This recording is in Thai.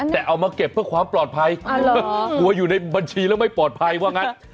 แต่เอามาเก็บเพื่อความปลอดภัยกลัวอยู่ในบัญชีแล้วไม่ปลอดภัยว่างั้น